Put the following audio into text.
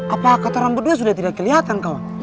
apa kata orang berdua sudah tidak kelihatan kawan